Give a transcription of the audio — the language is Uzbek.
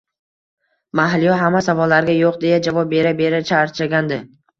Mahliyo hamma savollarga yo`q deya javob bera-bera charchagandi